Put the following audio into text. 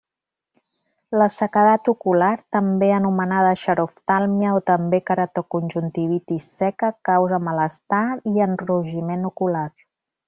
La sequedat ocular també anomenada xeroftàlmia o també queratoconjuntivitis seca causa malestar i enrogiment ocular.